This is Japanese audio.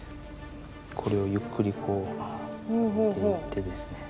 これをゆっくりこう上げていってですね